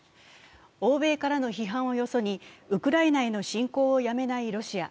欧米からの批判をよそにウクライナへの侵攻をやめないロシア。